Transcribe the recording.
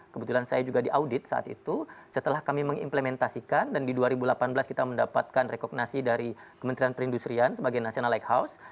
kebetulan saya juga diaudit saat itu setelah kami mengimplementasikan dan di dua ribu delapan belas kita mendapatkan rekomendasi dari kementerian perindustrian sebagai national lighthouse